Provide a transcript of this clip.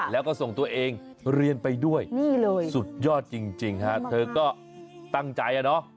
และส่งตัวเองเรียนไปด้วยสุดยอดจริงค่ะเธอก็ตั้งใจเนี่ยเนาะ